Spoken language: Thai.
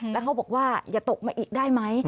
แล้วเขาบอกว่าอย่าตกมาอีกได้ไหม